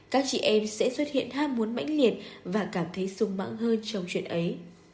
các chị em sẽ xuất hiện ham muốn mãnh liệt và cảm thấy sung mãng hơn trong chuyện ấy